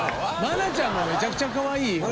愛菜ちゃんがめちゃくちゃ可愛いよ。